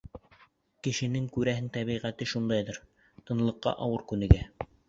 Кешенең, күрәһең, тәбиғәте шундайҙыр: тынлыҡҡа ауыр күнегә.